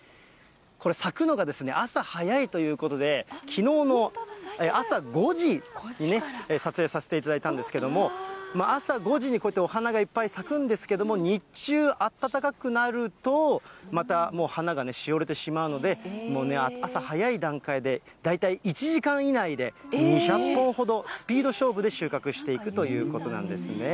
これ、咲くのが朝早いということで、きのうの朝５時に撮影させていただいたんですけれども、朝５時にこうやってお花がいっぱい咲くんですけれども、日中、暖かくなると、またもう、花がしおれてしまうので、もうね、朝早い段階で大体１時間以内で、２００本ほどスピード勝負で収穫していくということなんですね。